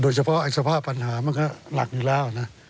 เฉพาะสภาพปัญหามันก็หลักอยู่แล้วนะ